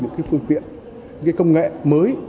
những cái phương tiện những cái công nghệ mới